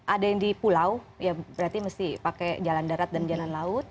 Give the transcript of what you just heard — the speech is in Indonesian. ada yang di pulau ya berarti mesti pakai jalan darat dan jalan laut